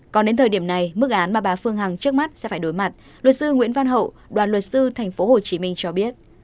còn đến thời điểm này mức án mà bà phương hằng trước mắt sẽ phải đối mặt luật sư nguyễn văn hậu đoàn luật sư tp hcm cho biết